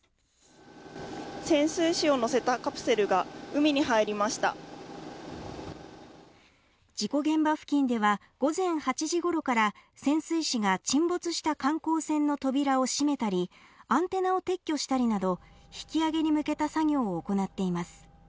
潜水士を乗せたカプセルが海に入りました事故現場付近では午前８時ごろから潜水士が沈没した観光船の扉を閉めたりアンテナを撤去したりなど引き揚げに向けた作業を行っています